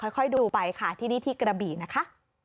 ค่อยดูไปค่ะที่นี่ที่กระบี่นะคะ